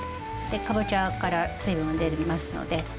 かぼちゃから水分が出ますので。